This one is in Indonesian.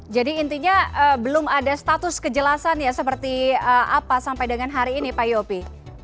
jadi intinya belum ada status kejelasan ya seperti apa sampai dengan hari ini pak yopi